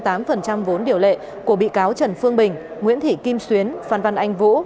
các phần trăm vốn điều lệ của bị cáo trần phương bình nguyễn thị kim xuyến phan văn anh vũ